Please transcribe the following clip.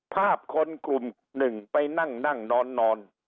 ภาพคนกลุ่มหนึ่งไปนั่งนั่งนอน